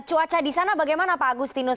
cuaca di sana bagaimana pak agustinus